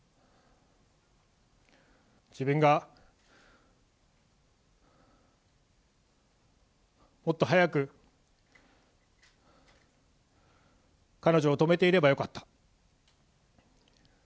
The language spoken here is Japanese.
自分がもっと早く彼女を止めていればよかった。